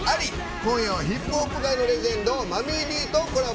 今夜はヒップホップ界のレジェンドＭｕｍｍｙ‐Ｄとコラボ。